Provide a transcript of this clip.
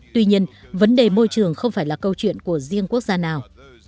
tuy nhiên vấn đề môi trường không phải là câu chuyện của riêng quốc gia nào